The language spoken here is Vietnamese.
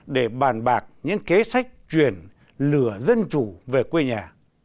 để bàn bạc những kế sách truyền lửa dân chủ về quê nhà